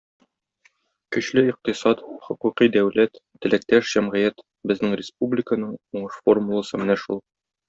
Көчле икътисад, хокукый дәүләт, теләктәш җәмгыять - безнең республиканың уңыш формуласы менә шул.